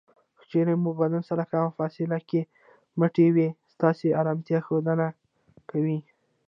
که چېرې مو بدن سره کمه فاصله کې مټې وي ستاسې ارامتیا ښودنه کوي.